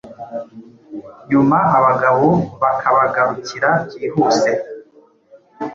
nyuma abagabo bakabagarukira byihuse